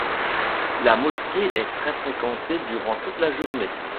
La mosquée est très fréquentée durant toute la journée.